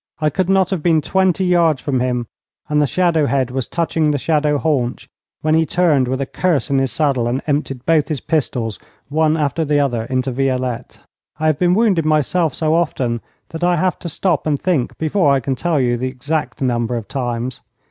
I could not have been twenty yards from him, and the shadow head was touching the shadow haunch, when he turned with a curse in his saddle and emptied both his pistols, one after the other, into Violette. I have been wounded myself so often that I have to stop and think before I can tell you the exact number of times.